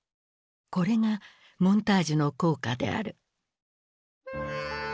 これがモンタージュの効果である。